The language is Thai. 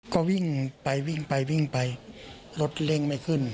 ก็วิ่งไปวิ่งไปวิ่งไปรถเร่งไม่ขึ้น